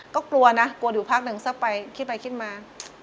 ก็กลัวนะกลัวอยู่พักหนึ่งซะไปคิดไปคิดมา